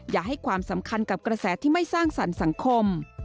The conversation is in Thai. อย่าให้ความสำคัญกับกระแสที่ไม่สร้างสรรค์สังคม